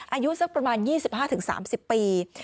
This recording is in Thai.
อายุสักประมาณ๒๕๓๐ปี